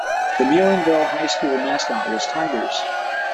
The Mullinville High School mascot was Tigers.